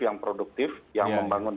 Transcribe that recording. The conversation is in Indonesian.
yang produktif yang membangun